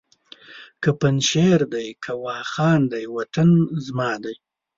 که پنجشېر دی که واخان دی وطن زما دی!